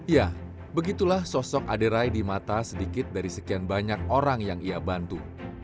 ya begitulah sosok aderai di mata sedikit dari sekian banyak orang yang ia bantu